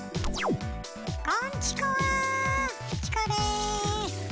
「こんチコは！チコです」。